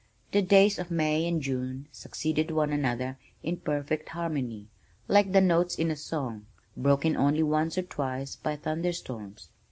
The days of May and June succeeded one another in perfect harmony like the notes in a song, broken only once or twice by thunderstorms.